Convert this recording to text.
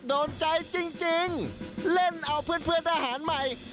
โดนใจจริงเล่นเอาเพื่อนทหารใหม่